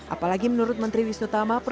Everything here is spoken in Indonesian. apalagi menurut menteri wisnu tama